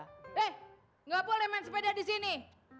hei enggak boleh main sepeda di sini